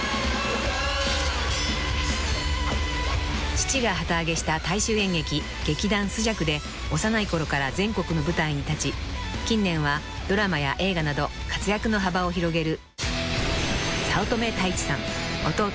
［父が旗揚げした大衆演劇劇団朱雀で幼いころから全国の舞台に立ち近年はドラマや映画など活躍の幅を広げる］